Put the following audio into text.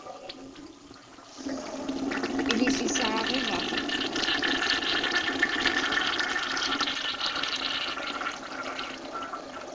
Iḷisisaaġiva?